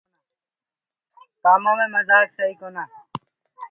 ڪآمو مي مجآڪ سئي ڪونآ۔